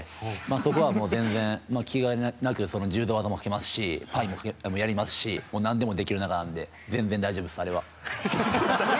そこは気兼ねなく柔道技もかけますしパイもやりますしもう何でもできる仲なんで全然、大丈夫なんであれは。